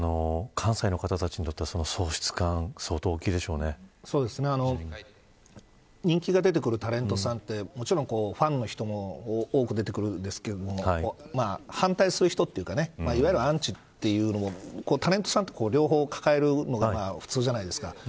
関西の方たちにとってはその喪失感相当人気が出てくるタレントさんってもちろんファンの人も多く出てくるんですけど反対する人というかいわゆるアンチというのもタレントさんって両方かかえるものじゃないですか。